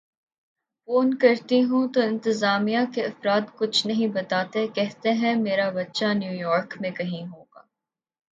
phone کرتی ہوں تو انتظامیہ کے افراد کچھ نہیں بتاتے کہتے ہیں میرا بچہ نیویارک میں کہیں ہوگا